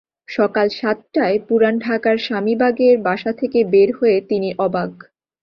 সকাল সাতটায় পুরান ঢাকার স্বামীবাগের বাসা থেকে বের হয়ে তিনি অবাক।